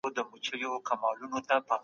د ژوند حق د الله ډالۍ ده.